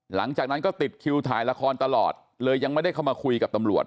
หลังจากนั้นก็ติดคิวถ่ายละครตลอดเลยยังไม่ได้เข้ามาคุยกับตำรวจ